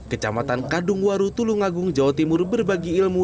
kecamatan kadungwaru tulungagung jawa timur berbagi ilmu